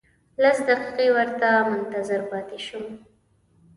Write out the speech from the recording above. لس دقیقې ورته منتظر پاتې شوم.